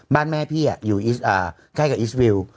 บ้านแม่พี่อยู่ใกล้กับอิสวิล